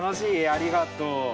ありがとう。